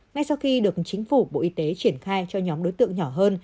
ngay sau khi được chính phủ bộ y tế triển khai cho nhóm đối tượng nhỏ hơn